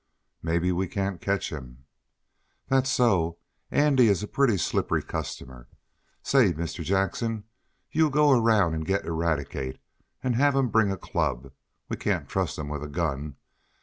"Maybe we can't catch him." "That's so. Andy is a pretty slippery customer. Say, Mr. Jackson, you go around and get Eradicate, and have him bring a club. We can't trust him with a gun.